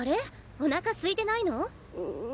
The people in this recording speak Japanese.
おなかすいてないの？